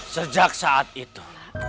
sejak saat itu